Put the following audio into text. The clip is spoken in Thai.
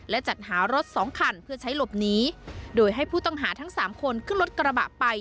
และจัดหารถสองคันเพื่อใช้หลบหนีโดยให้ผู้ต้องหาทั้งสามคนขึ้นรถกระบะไป